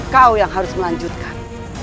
kau yang harus melanjutkan